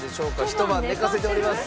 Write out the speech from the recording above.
ひと晩寝かせております。